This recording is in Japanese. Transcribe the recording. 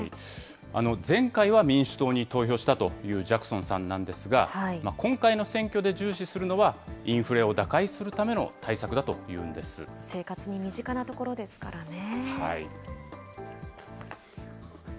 前回は民主党に投票したというジャクソンさんなんですが、今回の選挙で重視するのは、インフレを打開するための対策だという生活に身近なところですからね。